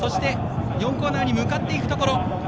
４コーナーに向かっているところ。